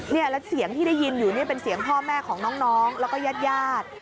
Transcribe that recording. และเสียงที่ได้ยินอยู่เป็นเสียงพ่อแม่ของน้องและก็ญาติ